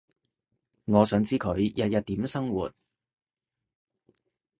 我想知佢日日點生活